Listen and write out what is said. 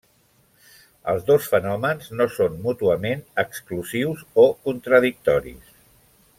Els dos fenòmens no són mútuament exclusius o contradictoris.